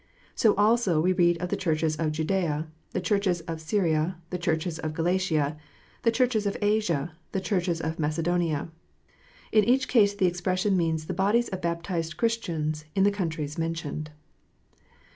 So also we read of the Churches of Judea, the Churches of Syria, the Churches of Galatia, the Churches of Asia, the Churches of Macedonia. In each case the expression means the bodies of baptized Christians in the countries mentioned.